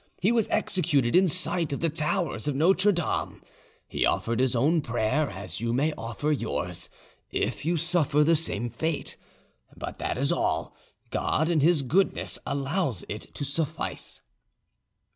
He was executed in sight of the towers of Notre Dame. He offered his own prayer, as you may offer yours, if you suffer the same fate. But that is all: God, in His goodness, allows it to suffice."